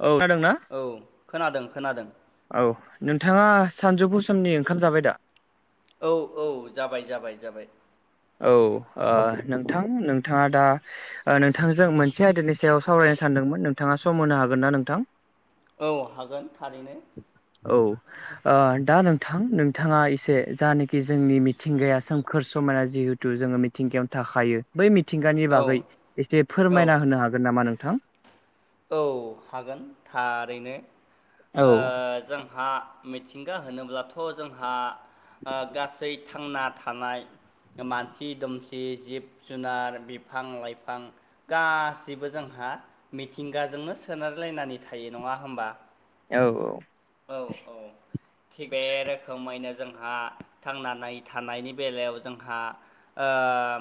औ खोनादों ना औ खोनादों खोनादों औ नोंथांआ सानजौफु समनि ओंखाम जाबाय दा औ औ जाबाय जाबाय जाबाय औ ओ‌ नोंथां नोंथांआ दा ओ नोंथांजों मोनसे आयदानि सायाव सावरायनो सानदोंमोन नोंथांआ सम होनो हागोन ना नोंथां औ हागोन थारैनो औ ओ‌ दा नोंथां नोंथांआ एसे जानाखि जोंनि मिथिंगाआ सोमखोर समायना जिहितु जोङो मिथिंगाआवनो थाखायो बै मिथिंगानि औ बागै एसे औ फोरमायना होनो हागोन नामा नोंथां औ हागोन थारैनो औ ओ जों हा मिथिंगा होनोब्लाथ' जोंहा ओ गासै थांना थानाय मानसि दोमसि जिब जुनार बिफां लाइफां गासैबो जोंहा मिथिंगाजोंनो सोनारलायनानै थायो नङा होमबा औ औ औ औ थिग बे रोखोमैनो जोंहा थांनानै थानायनि बेलायाव जोंहा ओ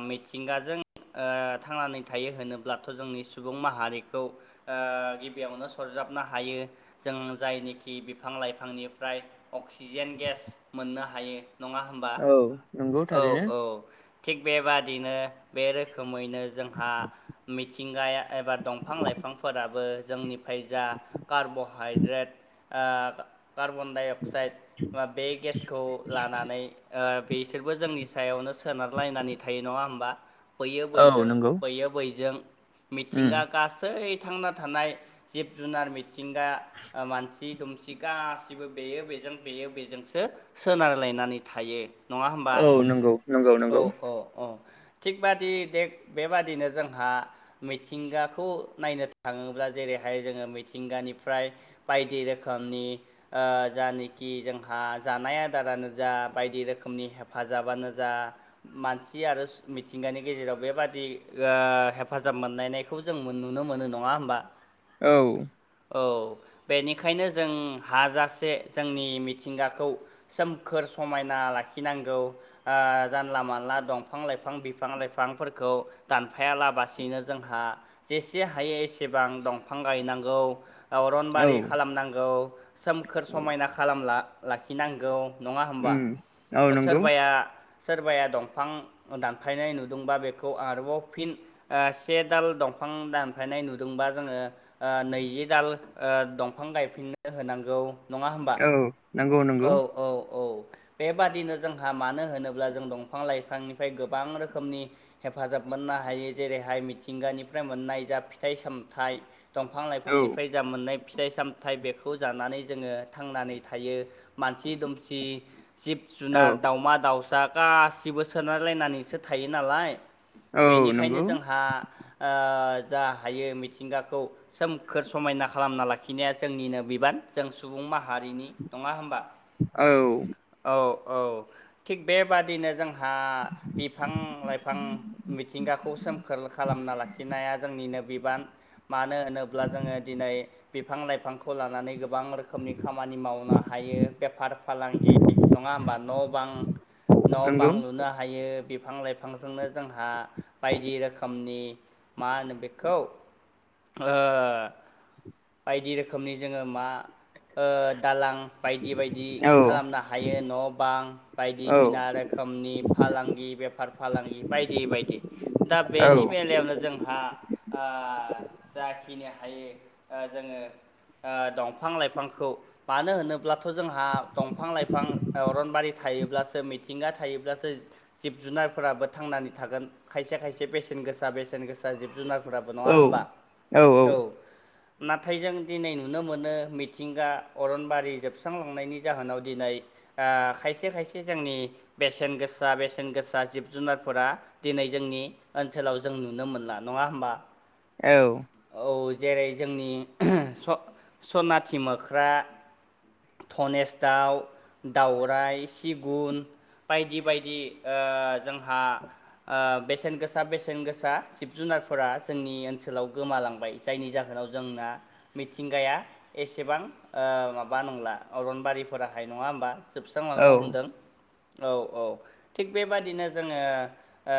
मिथिंगाजों ओ थांनानै थायो होनोब्लाथ' जोंनि सुबुं माहारिखौ खौ ओ गिबिआवनो सरजाबनो हायो जों जायनिखि बिफां लाइफांनिफ्राय अक्सिजेन गेस मोननो हायो नङा होमबा औ नंगौ औ थारैनो औ थिग बेबादिनो बे रोखोमैनो जोंहा मिथिंगाया एबा दंफां बिफां लाइफांफोराबो जोंनिफ्राय जा कार्ब'हाइद्रेट ओ कार्बनडाइ अक्साइडफोरा बे गेसखौ लानानै ओ बिसोरबो जोंनि सायावनो सोनारलायनानै थायो नङा होमबा बैयो औ बैजों नंगौ बैयो बैजों उम मिथिंगा गासै थांना थानाय जिब जुनार मिथिंगा मानसि सि दुमसि गासिबो बेयो बेजों बेयो बेजोंसो सोनारलायनानै थायो। नंङा होमबा औ नंगौ नंगौ औ नंगौ औ औ थिग बादि बेबादिनो जोंहा मिथिंगाखौ खौ नायनो थाङोब्ला जेरैहाय जोंङो मिथिंगानिफ्राय बायदि रोखोमनि जानखि जोंहा जानाय आदारानो जा बायदि रोखोमनि हेफाजाबानो जा मानसि आरो मिथिंगानि गेजेराव बेबादि हेफाजाब मोननायखौ जों नुनो मोनो नंङा होनोमबा औ औ बेनिखायनो जों हाजासे जोंनि मिथिंगाखौ सोमखोर समायना लाखिनांगौ जानला मानला दंफां लाइफां बिफां लाइफांफोरखौ दानफाया लाबसिनो जोंहा जेसे हायो एसेबां दंफां गायनांगौ औ अनबारि खालामनांगौ सोमखोर औ समायना खालामना लाखिनांगौ नंङा होमबा उम औ नंगौ सोरबाया सोरबाया दंफां दानफायनाय नुदोंबा बेखौ आरोबाव फिन से दाल दंफां दानफ्रनाय नुदोंबा जोंङो नैजि दाल दंफां गायफिननो होनांगौ नंङा होमबा औ नंगौ नंगौ औ औ औ बेबादिनो जोंहा मानो होनोब्ला जों दंफां लाइफांनिफ्राय गोबां रोखोमनि हेफाजाब मोननो हायो जेरैहाय मिथिंगानि मोननाय जा फिथाइ सामथाइ दंफां औ लाइफांनिफ्राय मोननाय फिथाइ सामथाइ बेखौ जानानै जोंङो थांनानै थायो। मानसि दुमसि जिब औ जुनार दाावमा दाउसा गासिबो सोनायलायनानैसो थायो नालाय औ बेनिखायनो नंगौ जोंहा जा हायो मिथिंगाखौ सोमखोर समायना खालामना लाखिनाया जोंनिनो बिबान जों सुबुं माहारिनि नंङा होमबा औ औ औ थिग बेबादिनो जों बिफां लाइफां मिथिंगाखौ सोमखोर खालामना लाखिनाया जों आनो बिबान मानो होनोब जो दिनै बिफां लाइफां खौ लानानै गोबां रोखोमनि खामानि मावनो हायो बेफार फालांगि नंङा होमबा न' बां न' नंगौ बां लुनो हायो बिफां लाइफां बिफांजोंनो जोंहा बायदि रोखोमनि मा होनो बेखौ बायदि रोखोमनि जोंङो मा दालां बायदि बायदि औ खालामनो हायो न' बां औ बायदिसिना रोखोमनि फालांगि बेफार फालांगि बायदि बायदि दा औ बेनि बेलायावनो जों जाखिनि हायो जोंङो दंफां लाइफांखौ मानो होनोब्लाथ' जोंहा दंफां लाइफां अरनबारि थायोब्लासो मिथिंगा थायोब्लासो जिब जुनारफोराबो थांनानै थागोन खायसे खायसे बेसेन गोसा बेसेन गोसा जिब जुनारफोराबो नंङा होनबा औ नाथाय जों दिनै नुनो मोनो मिथिंगा अरनबारि जोबस्रांलांनायनि जाहोनाव दिनै खायसे खायसे जोंनि बेसेन गोसा बेसेन गोसा जिब जुनारफोरा दिनै जोंनि ओनसोलाव जों नुनो मोनला नंङा होमबा औ औ जेरै जोंनि स स'नाथि मोख्रा धनेस दाउ, दाउराय, सिगुन बायदि बायदि ओ जोंहा ओ बेसेन गोसा बेसेन गोसा जुनारफोरा जोंनि ओनसोलाव गोमालांबाय जायनि जाहोनाव जोंना मिथिंगाया एसेबां ओ माबा नंला अरनबारिफोराहाय नङा होमबा औ जोबस्रांलांनो हमदों औ औ थिग बेबादिनो जोङो ओ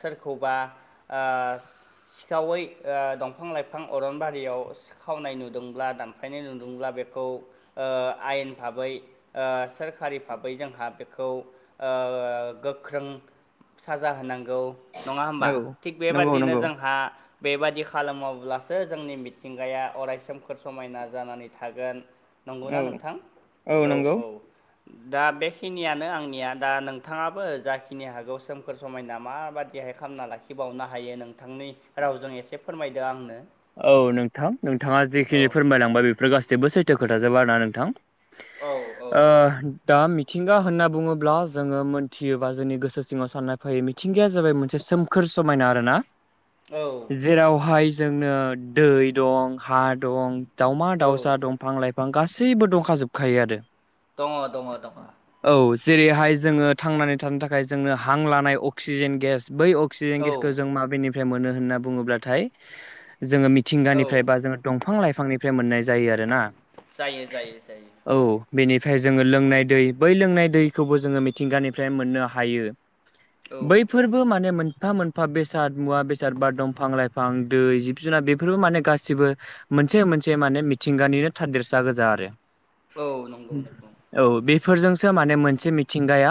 सोरखौबा ओ सिखावै दंफां-लाइफां अरनबारियाव खावनाय नुदोंब्ला दानफायनाय नुदोंब्ला बेखौ ओ आयेन भाबै सोरखारि भाबै जोंहा बेखौ ओ गोख्रों साजा होनांगौ नङा होमबा औ थिग नंगौ बेबादिनो नंगौ जोंहा बेबादि खालामोब्लासो जोंनि मिथिंगाया अरायसोमखोर समायना जानानै थागोन नंगौना औ नोंथां औ औ दा बेखिनियानो आंनिया दा नोंथाङाबो जाखिनि हागौ सोमखोर समायना माबादिहाय खामना लाखिबावनो हायो नोंथांनि रावजों एसे फोरमायदो आंनो औ नोंथां नोंथाङा औ जेखिनि फोरमायलांबाय बेफोर गासैबो सैथो खोथाजोब आरोना नोंथां औ औ ओ दा मिथिंगा होनना बुङोब्ला जोङो मोनथियोबा जोंनि गोसो सिङाव साननाय फैयो मिथिंगाया जाबाय मोनसे सोम खोर समायना आरोना औ जेरावहाय जोंनो दै दं, हा दं औ दावमा-दावसा दंफां लाइ बिफां गासैबो दंखाजोबखायो आरो दङ' दङ' दङ' औ जेरैहाय जोङो थांनानै थानो थाखाय जोंनो हां लानाय अक्सिजेन गेस बै अक्सिजेन औ गेसखौ जों माबेनिफ्राय मोनो होनना बुङोब्लाथाय जोङो औ मिथिंगानिफ्राय बा जोङो दंफां-लाइफांनिफ्राय मोननाय जायो आरोना जायो जायो जायो औ बेनिफ्राय जोङो लोंनाय दै बै लोंनाय दैखौबो जोङो मिथिंगानिफ्राय मोननो हायो औ बैफोरबो माने मोनफा मोनफा बेसाद मुवा-बेसाद बा दंफां-लाइफां दै जि जिब जुना बेफोरबो माने गासिबो मोनसे मोनसे माने मिथिंगानिनो थादेरसा गोजा आरो औ नंगौ नोंगौ औ बेफोरजोंसो माने मोनसे मिथिंगाया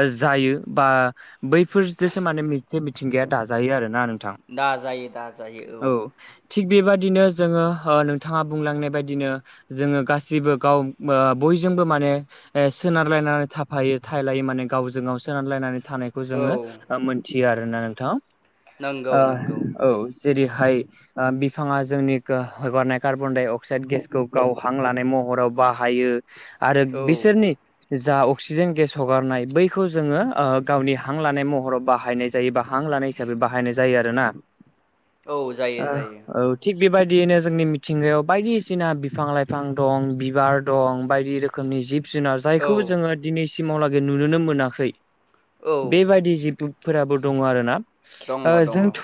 ओ जायो बा बै फोरजोसो माने मोनसे मिथिंगाया दाजायो आरोना नोंथां दा जायो दा जायो ओ औ थिग बेबादिनो जोङो ओ नोंथाङा बुंलांनाय बायदिनो जोङो गासिबो गाव ओ बयजोंबो माने ओ सोनारलायनानै थाफायो थायलायो माने गावजों गाव सोनारलायनानै थानाय खौ औ जोङो ओ मोनथियो आरोना नोंथां। नंगौ ओ नंगौ औ जेरैहाय ओ बिफाङा जोंनि खो हगारनाय कार्बन डाइ अक्साइद गेसखौ गाव हां लानाय महराव बाहायो आरो औ बिसोरनि जा अक्सिजेन गेस हगारनाय बैखौ जोङो ओ गावनि हां लानाय महराव बाहायनाय जायोबा हां लानाय हिसाबै बाहायनाय जायो आरो ना औ जाय ओ औ थिग बेबादियैनो जोंनि मिथिंगायाव बायदिसिना बिफां-लाइफां दं बिबार दं बायदि रोखोमनि जिब जुनार औ जायखौ जोङो दिनै सिमावलागै नुनोनो मोनाखै औ बेबायदि जिथु फोराबो दङ' आरोना दङ ओ दङ जोंथ'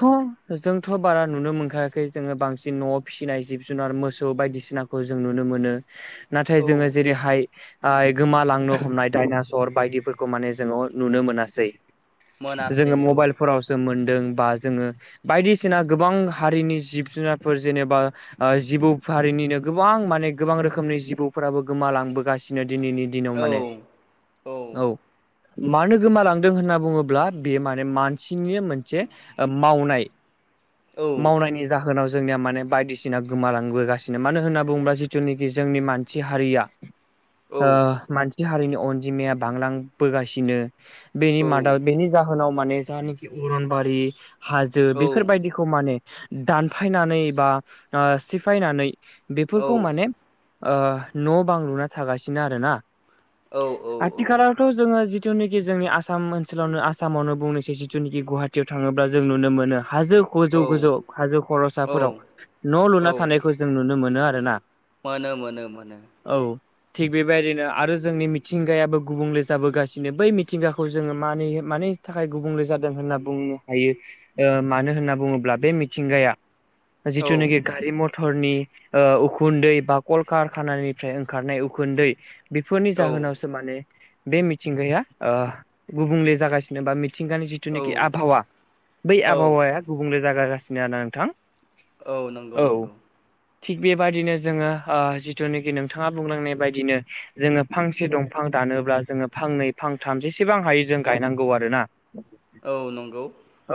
जों थ' बारा नुनो मोनखायाखै जोङो बांसिन न'आव फिसिनाय जिब-जुनार मोसौ बायदिसिनाखौ जों नुनो मोनो नाथाय औ जोङो जेरैहाय आइ गोमालांनो हमनाय दाइना सर बायदिफोरखौ मान जो नुनो मोनासै मोनासै जोङो औ मबाइल फोराव सो मोनदों बा जोङो बायदिसिना गोबां हारिनि जिब जुनारफोर जेनेबा ओ जिबौ फारिनिनो गोबां माने गोबां रोखोमनि जिबौफोराबो गोमालांबोगासिनो दिनैनि औ दिनाव माने औ मानो गोमालांदों होनना बुङोब्ला बियो माने मानसिनि मोनसे मावनाय मावनायनि जाहोनाव जोंनिया माने बायदिसिना गोमालांबोगासिनो मानो होनना बुंबा जिथुनिखि जोंनि मानसि हारिया [inaudible] ओ मानसि हारिनि अनजिमाया बांलां बोगासिनो बेनि मादाव बेनि जाहोनाव माने जानिखि अरनबारि हाजो बे बायदिखौ माने दानफायनानै बा ओ सिफायनानै बेफोरखौ माने ओ न' बां लुना थागासिनो आरोना औ औ आथिखालावथ' जोङो जिथुनिखि जोंनि आसाम ओनसोलावनो आसामावनो बुंनोसै जिथुखि गहा टियाव थाङोब्ला जों नुनो मोनो हाजो औ गोजौ गोजौ हाजो खर'साफोराव औ न' लुना औ थानायखौ जों नुनो मोनो आरो ना मोनो मोनो मोनो औ थिग बेबायदिनो आरो जोंनि मिथिंगायाबो गुबुंले जाबोगासिनो बै मिथिंगाखौ जोङो माने माने थाखाय गुबुंले जादों होनना बुंनो हायो मानो होनना बुङोब्ला बे मिथिंगाया औ जिथुनाखि गारि मथरनि ओ उखुन्दै बा कल कारखानानिफ्राय ओंखारनाय उखुन्दै बेफोरनि औ जाहोनाव सो माने बे मिथिंगाया ओ गुबुंले जागासिनो बा मिथिंगानि जि औ थुनिखि आबहावा बै औ आबहावाया गुबुंले जागागासिनो आरना नोंथां औ नंगौ नंगौ थिग बेबायदिनो जोङो जिथुनाखि नोंथाङा बुंलांनाय बादिनो जोङो फांसे दंफां दानोब्ला जोङो फांनै फांथाम जेसेबां हायो जों गायनांगौ आरो ना औ नंगौ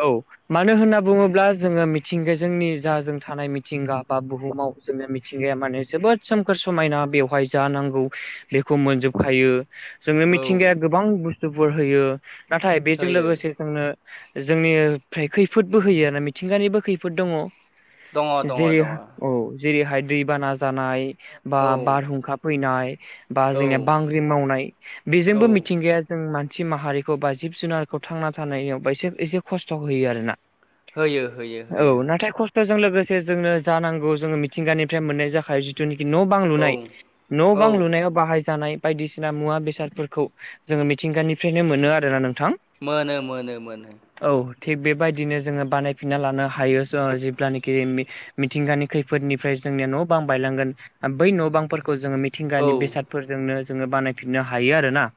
औ मानो होनना बुङोब्ला जोङो मिथिंगाजोंनि जा जों थानाय मिथिंगा बा बुहुमाव जोंया मिथिंगाया माने जोबोद सोमखोर समायना बेवहाय जानांगौ बेखौ मोनजोबखायो जोङो औ मिथिंगाया गोबां बुस्थुफोर होयो नाथाय बेजों होयो लोगोसे जोंनो जोंनिफ्राय खैफोदबो होयो आरोना मिथिंगानिबो खैफोद दङ दङ दङ जेरै दङ औ जेरैहाय दैबाना जानाय बा औ बारहुंखा फैनाय बा औ जोंनिया बांग्रि मावनाय बेजोंबो मिथिंगाया जों मानसि माहारिखौ बा जिब जुनारखौ थांना थानायावसे एसे खस्थ' होयो आरोना होयो होयो होयो औ नाथाय खस्थ' जों लोगोसे जोंनो जानांगौ जोङो मिथिंगानिफ्राय मोननाय जाखायो जु जिथुनाखि न' बां औ लुनाय न' औ बां लुनायाव बाहाय जानाय बायदिसिना मुवा बेसादफोरखौ जोङो मिथिंगानिफ्रायनो मोनो आरोना नोंथां मोनो मोनो मोनो औ थिग बेबायदिनो जोङो बानायफिनना लानो हायो जेब्लानाखि मिथिंगानि खैफोदनिफ्राय जोंनिया न' बां बायलांगोन बै न' बांफोरखौ जोङो औ मिथिंगानि बेसादफोरजोंनो जोङो बानायफिननो हायो आरो ना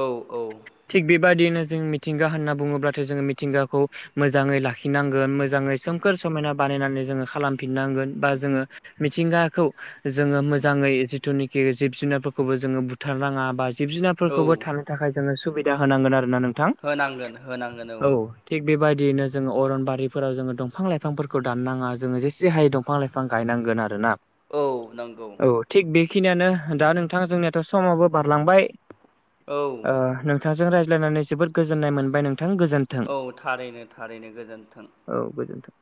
औ औ थिग बेबायदियैनो जों मिथिंगा होनना बुङोब्लाथाय जोङो मिथिंगाखौ मोजाङै लाखिनांगोन मोजाङै सोमखोर समायना बानायनानै जोङो खालाम फिननांगोन बा जोङो मिथिंगाखौ जोङो मोजाङै जिथुनि जिब जुनारफोरखौबो जोङो बुथारनाङा बा जिब जुनारफोरखौबो औ औ थां थाखाय जोङो सुबिदा होनांगोन आरो ना नोंथां। होनांगोन होनांगोन औ थिग बेबायदियैनो जोङो अरनबारिफोराव जोङो दंफां लाइफांफोरखौ दाननाङा जोङो जेसे हायो दंफां बिफां लाइफां गायनांगोन आरोना। औ नंगौ औ थिग बेखिनियानो दा नोंथां जोंनियाथ' समावबो बारलांबाय औ ओ नों नोंथांजों रायज्लायनानै जोबोद गोजोन्नाय मोनबाय नोंथां गोजोन औ थारैनो थारैनो गोजोन्थों। औ गोजोन्थों